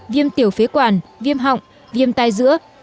viêm tiểu phế quản viêm họng viêm tai dữa